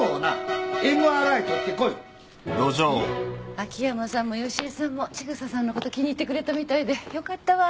秋山さんも良恵さんも千草さんのこと気に入ってくれたみたいでよかったわ。